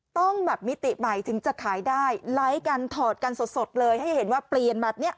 ต้องแบบมิติใหม่ถึงจะขายได้ไลค์กันถอดกันสดเลยให้เห็นว่าเปลี่ยนแบบนี้